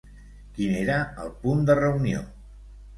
Quin era el punt de reunió?